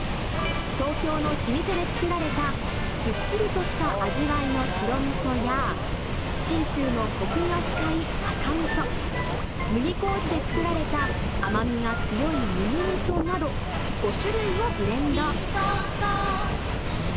東京の老舗で造られたすっきりとした味わいの白みそや、信州のこくが深い赤みそ、麦こうじで造られた甘みが強い麦みそなど、５種類をブレンド。